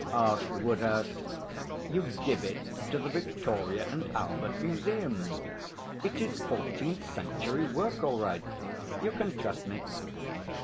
asked Woodhouse. 'You give it to the Victoria and Albert Museum. It is fourteenth century work all right. You can trust me.'